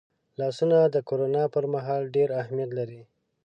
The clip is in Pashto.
لاسونه د کرونا پرمهال ډېر اهمیت لري